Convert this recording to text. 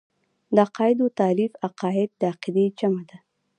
د عقايدو تعريف عقايد د عقيدې جمع ده .